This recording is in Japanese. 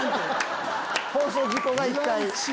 放送事故が１回。